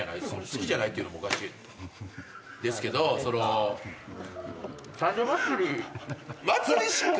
好きじゃないって言うのもおかしいですけど三社祭祭りしか。